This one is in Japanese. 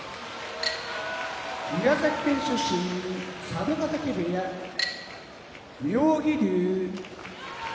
宮崎県出身佐渡ヶ嶽部屋妙義龍